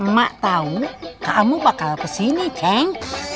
mak tau kamu bakal pesini ceng